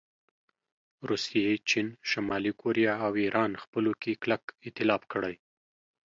روسیې، چین، شمالي کوریا او ایران خپلو کې کلک ایتلاف کړی